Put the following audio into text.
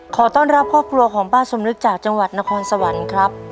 ขอต้อนรับครอบครัวของป้าสมนึกจากจังหวัดนครสวรรค์ครับ